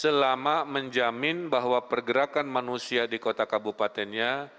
selama menjamin bahwa pergerakan manusia di kota kabupatennya